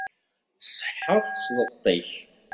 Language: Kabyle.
Tṣeḥḥa tesleṭ-ik.